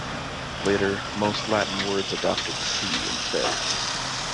Later, most Latin words adopted C instead.